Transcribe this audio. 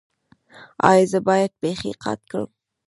ایا زه باید پښې قات کړم؟